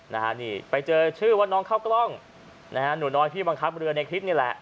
นะฮะนี่ไปเจอชื่อว่าน้องเข้ากล้องนะฮะหนูน้อยที่บังคับเรือในคลิปนี่แหละ